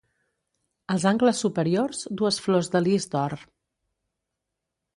Als angles superiors dues flors de lis d'or.